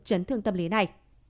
trấn thương tâm lý này